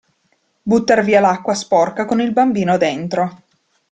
Buttar via l'acqua sporca con il bambino dentro.